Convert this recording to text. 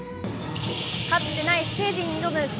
かつてないステージに挑むｓ＊＊